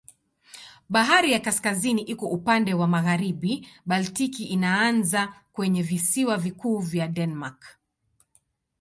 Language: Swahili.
Bahari ya Kaskazini iko upande wa magharibi, Baltiki inaanza kwenye visiwa vikuu vya Denmark.